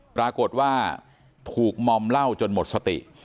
ปรากฏว่าถูกมอมเหล้าจนหมดสติ